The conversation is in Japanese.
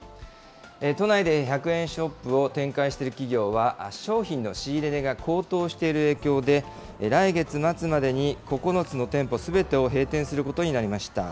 都内で１００円ショップを展開している企業は、商品の仕入れ値が高騰している影響で、来月末までに９つの店舗すべてを閉店することになりました。